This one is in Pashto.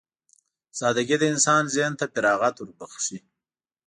سادهګي د انسان ذهن ته فراغت وربښي.